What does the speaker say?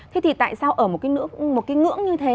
thế thì tại sao ở một cái ngưỡng như thế